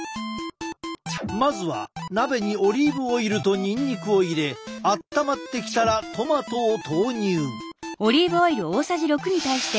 まずは鍋にオリーブオイルとにんにくを入れ温まってきたらトマトを投入。